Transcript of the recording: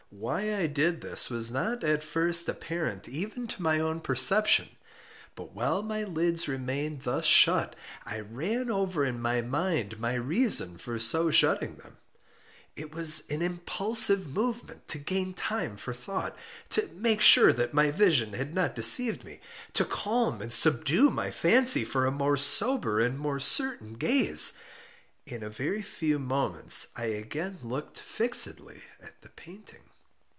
Why I did this was not at first apparent even to my own perception. But while my lids remained thus shut, I ran over in my mind my reason for so shutting them. It was an impulsive movement to gain time for thought—to make sure that my vision had not deceived me—to calm and subdue my fancy for a more sober and more certain gaze. In a very few moments I again looked fixedly at the painting.